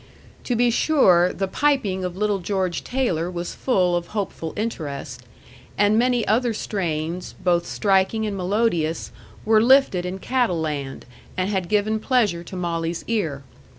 To be sure, the piping of little George Taylor was full of hopeful interest; and many other strains, both striking and melodious, were lifted in Cattle Land, and had given pleasure to Molly's ear.